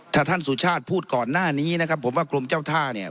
ถ้าท่านสุชาติพูดก่อนหน้านี้นะครับผมว่ากรมเจ้าท่าเนี่ย